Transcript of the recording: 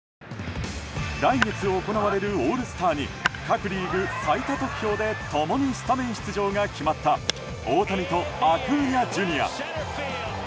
来月行われるオールスターに各リーグ最多得票で共にスタメン出場が決まった大谷とアクーニャＪｒ．。